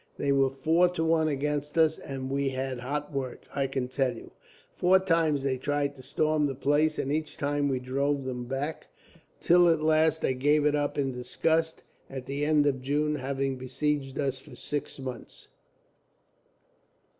They were four to one against us, and we had hot work, I can tell you. Four times they tried to storm the place, and each time we drove them back; till at last they gave it up in disgust, at the end of June, having besieged us for six months.